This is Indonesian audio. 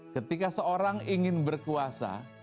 ketika seorang ingin berkuasa